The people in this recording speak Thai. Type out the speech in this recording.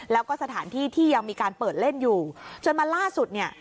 แล้วก็สถานที่ที่ยังมีการเปิดเล่นอยู่จนมาล่าสุดเนี่ย